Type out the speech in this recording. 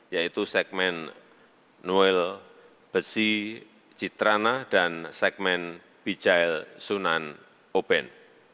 yaitu segmen noel besi citrana dan segmen bijail sunan oben